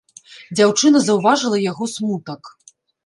Дзяўчына заўважыла яго смутак.